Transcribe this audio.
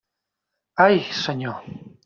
Ai, Senyor!